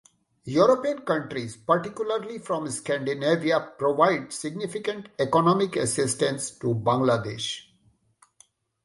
European countries, particularly from Scandinavia, provide significant economic assistance to Bangladesh.